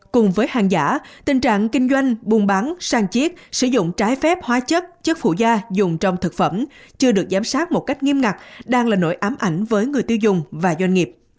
cùng với hàng giả tình trạng kinh doanh buôn bán sang chiết sử dụng trái phép hóa chất chất phụ da dùng trong thực phẩm chưa được giám sát một cách nghiêm ngặt đang là nỗi ám ảnh với người tiêu dùng và doanh nghiệp